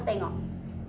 nah itu aku